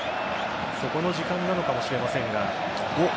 そこの時間なのかもしれませんが。